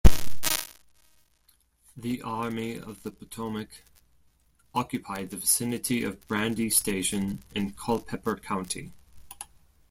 The Army of the Potomac occupied the vicinity of Brandy Station and Culpeper County.